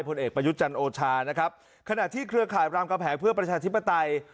ผลเอกประยุทธ์จันทร์โอชานะครับขณะที่เครือข่ายรามกำแหงเพื่อประชาธิปไตย